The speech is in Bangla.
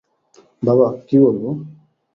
বাবা, কি বলবো?